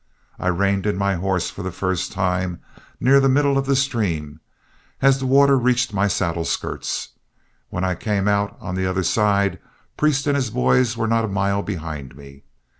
I reined in my horse for the first time near the middle of the stream, as the water reached my saddle skirts; when I came out on the other side, Priest and his boys were not a mile behind me.